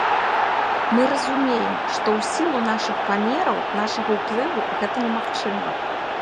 Мы разумеем, што ў сілу нашых памераў, нашага ўплыву, гэта немагчыма.